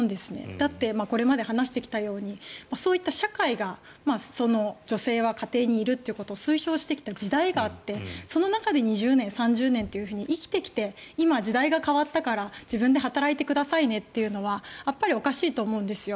だってこれまで話してきたようにそういった社会が女性は家庭にいるということを推奨してきた時代があってその中で２０年、３０年と生きてきて今、時代が変わったから自分で働いてくださいねというのはやっぱりおかしいと思うんですよ。